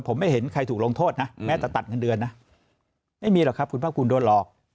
ผมไม่เห็นใครถูกลงโทษนะแม้แต่ตัดเงินเดือนนะไม่มีหรอกครับคุณภาคภูมิโดนหลอก